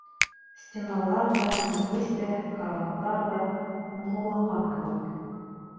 Стеналар ҙа, мейес тә, карауаттар ҙа моңһоуланған кеүек.